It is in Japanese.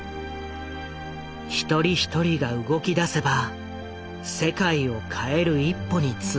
一人一人が動きだせば世界を変える一歩につながる。